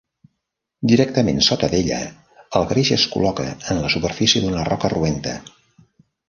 Directament sota d'ella, el greix es col·loca en la superfície d'una roca roenta.